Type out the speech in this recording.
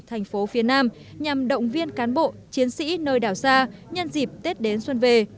thành phố phía nam nhằm động viên cán bộ chiến sĩ nơi đảo xa nhân dịp tết đến xuân về